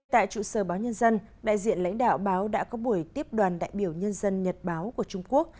tại trụ sở báo nhân dân đại diện lãnh đạo báo đã có buổi tiếp đoàn đại biểu nhân dân nhật báo của trung quốc